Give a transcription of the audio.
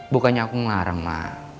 bukannya aku ngelarang ma